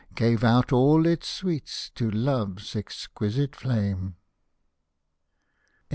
Gave out all its sweets to love's exquisite flame ?